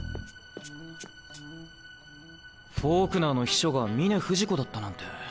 フォークナーの秘書が峰不二子だったなんて。